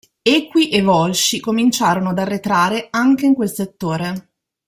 Equi e Volsci cominciarono ad arretrare anche in quel settore.